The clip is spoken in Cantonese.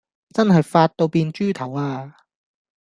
真係發到變豬頭呀